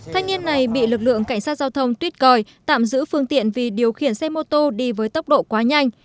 thanh niên này bị lực lượng cảnh sát giao thông tuyết còi tạm giữ phương tiện vì điều khiển xe mô tô đi với tốc độ quá nhanh